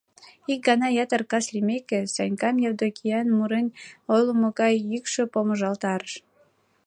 Ик гана ятыр кас лиймеке, Санькам Евдокиян мурен ойлымо гай йӱкшӧ помыжалтарыш.